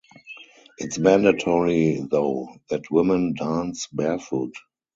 It's mandatory though that women dance barefoot.